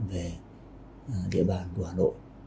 về địa bàn của hà nội